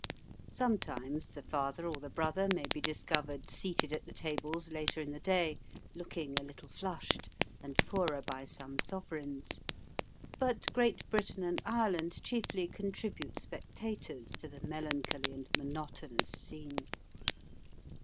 Sometimes the father or the brother may be discovered seated at the tables later in the day, looking a little flushed, and poorer by some sovereigns. But Great Britain and Ireland chiefly contribute spectators to the melancholy and monotonous scene.